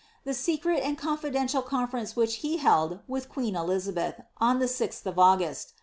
The secret and confidential conference vliich he held with queen Elizabeth, on the 6th of August.'